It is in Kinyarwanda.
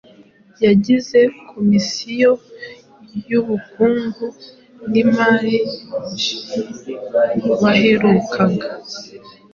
bagize komisiyo y’ubukungu n’imari baherukaga